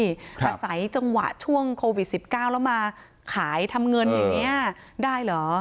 อาศัยจังหวะช่วงโควิด๑๙แล้วมาขายทำเงินอย่างนี้ได้เหรอ